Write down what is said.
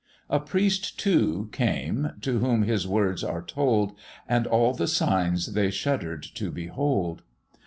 A priest too came, to whom his words are told; And all the signs they shudder'd to behold.